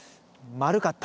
丸かった？